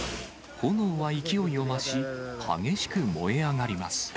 炎は勢いを増し、激しく燃え上がります。